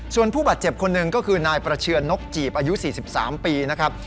ส่วนผู้บาดเจ็บคนหนึ่งก็คือนายประเชือนนกจีบอายุ๔๓ปีนะครับ